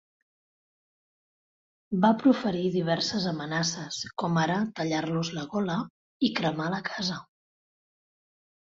Va proferir diverses amenaces, com ara tallar-los la gola i cremar la casa.